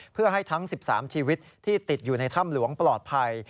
เพื่อให้ทั้ง๑๓ชีวิตที่ติดอยู่ในถ้ำหลวงปลอดภัย